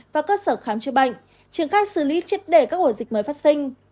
và cơ sở khám chữa bệnh triển khai xử lý triệt để các ổ dịch mới phát sinh